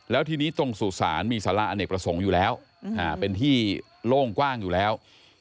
แล้วทีนี้ตรงสุสานมีสาระอเนกประสงค์อยู่แล้ว